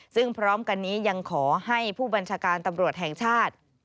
ซึ่งพร้อมกันนี้ยังขอให้ผู้บัญชาการตำรวจแห่งชาติ